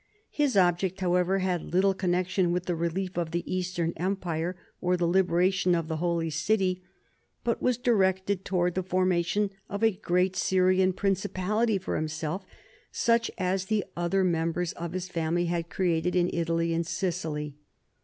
His object, however, had little connection with the relief of the Eastern Empire or the liberation of the Holy City, but was directed toward the formation of a great Syrian principality for himself, such as the other members of his family had created in Italy and Sicily.